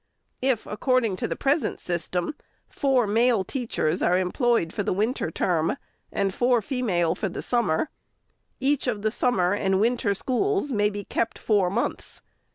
If, according to the present system, four male teachers are employed for the winter term, and four female for the summer, each of the summer and winter schools may be kept four months.